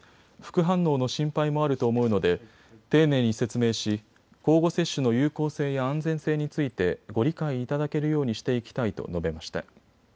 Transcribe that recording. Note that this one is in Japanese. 副反応の心配もあると思うので丁寧に説明し、交互接種の有効性や安全性についてご理解いただけるようにしていきたいと述べました。